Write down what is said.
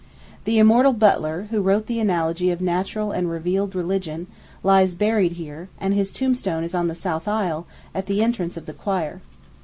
The immortal Butler, who wrote the Analogy of Natural and Revealed Religion, lies buried here, and his tombstone is on the south aisle, at the entrance of the choir.